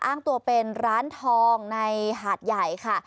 อ้างตัวเป็นร้านทองในหาดใหญ่ค่ะ